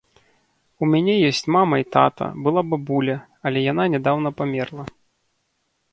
У мяне ёсць мама і тата, была бабуля, але яна нядаўна памерла.